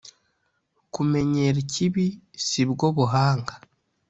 Kumenyera ikibi si bwo buhanga,